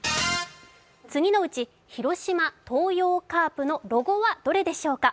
次のうち広島東洋カープのロゴはどれでしょうか？